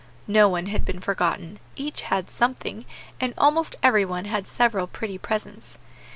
No one had been forgotten; each had something, and almost every one had several pretty presents.